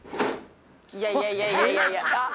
いやいやいやいやいやいやあっ！